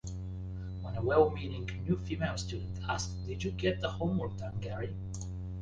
When a well-meaning new female student asked, Did you get the homework done, Gary?